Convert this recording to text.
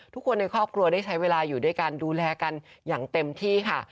ทุกคนในครอบครัวได้ใช้เวลาอยู่ด้วยกันดูแลกันอย่างเต็มที่ค่ะ